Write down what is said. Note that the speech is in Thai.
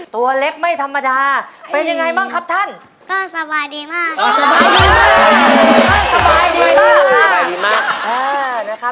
ตัวเล็กไม่ธรรมดาเป็นยังไงบ้างครับท่านก็สบายดีมาก